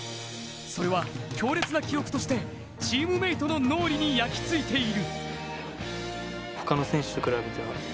それは、強烈な記憶としてチームメートの脳裏に焼き付いている。